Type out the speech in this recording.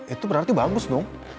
itu berarti bagus dong